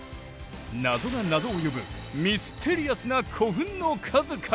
謎が謎を呼ぶミステリアスな古墳の数々！